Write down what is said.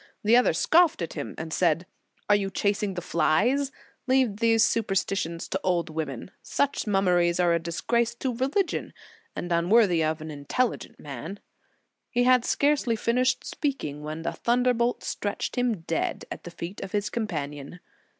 The other scoffed at him, and said: "Are you chasing the flies? Leave those superstitions to old women. Such mummeries are a disgrace to religion, and unworthy of an intelligent man."j He had scarcely finished speaking, when a thunderbolt stretched him dead at the feet of his companion.